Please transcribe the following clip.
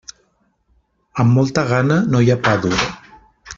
Amb molta gana no hi ha pa dur.